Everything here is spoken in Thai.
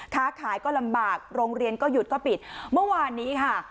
ค้าขายก็ลำบากโรงเรียนก็หยุดก็ปิดเมื่อวานนี้ค่ะ